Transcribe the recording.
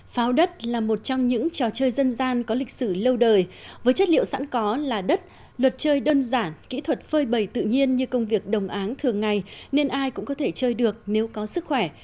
pháo đất là một trong những trò chơi dân gian có lịch sử lâu đời với chất liệu sẵn có là đất luật chơi đơn giản kỹ thuật phơi bầy tự nhiên như công việc đồng áng thường ngày nên ai cũng có thể chơi được nếu có sức khỏe